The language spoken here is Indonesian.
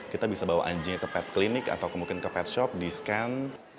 kita bisa bawa anjingnya ke pet clinic atau ke pet shop di scan